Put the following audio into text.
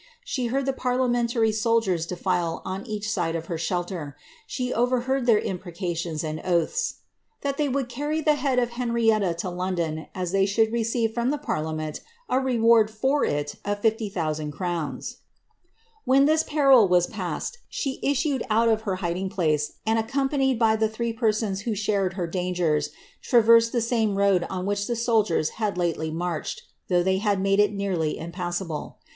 She heard the parliamentary soldiers defile on each side of her idler; she overheard their imprecations and oaths, ^ that they would my the head of Henrietta to London, as they should receive from the uittment a reward for it of 50,000 crowns." When this peril was issed, she issued out of her hiding place, and, accompanied by the three Rions who had shared her dangers, traversed the same road on which le soldiers had lately marched, though they had made it nearly im usable.